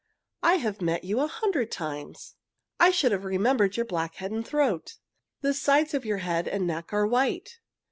I have met you a hundred times. "I should have remembered your black head and throat. The sides of your head and neck are white.